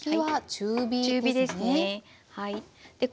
中火ですねはい。